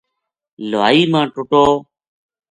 لُہائی ما ٹُٹو